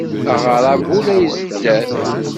Aɣerrabu la izedder!